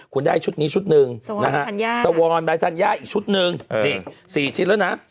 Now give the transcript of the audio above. คุณได้ชุดนี้ชุด๑นะฮะสวอนน้ายทันญ้าอีกชุด๑นี่๔ชิ้นแล้วนะ